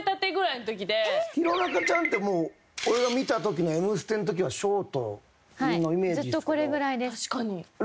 弘中ちゃんってもう俺が見た時の『Ｍステ』の時はショートのイメージ。